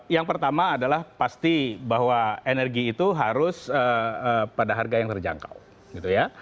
yang pertama adalah pasti bahwa energi itu harus pada harga yang terjangkau gitu ya